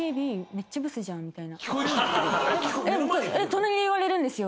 隣で言われるんですよ。